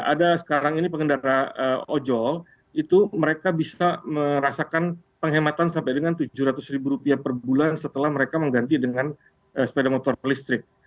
ada sekarang ini pengendara ojol itu mereka bisa merasakan penghematan sampai dengan tujuh ratus ribu rupiah per bulan setelah mereka mengganti dengan sepeda motor listrik